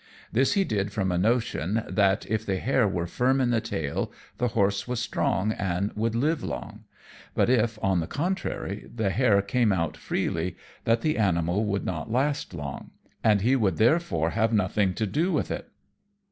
This he did from a notion that, if the hair were firm in the tail, the horse was strong, and would live long; but if, on the contrary, the hair came out freely, that the animal would not last long, and he would therefore have nothing to do with it.